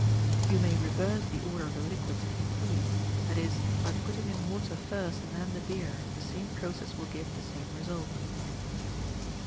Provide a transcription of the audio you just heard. You may reverse the order of the liquids if you please— i.e. by putting in water first and then the beer, the same process will give the same result.